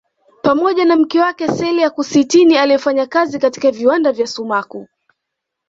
pamoja na mke wake Celia Cuccittini aliefanya kazi katika viwanda vya sumaku